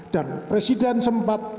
dan presiden sempat